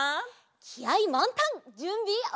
きあいまんたんじゅんびオッケー！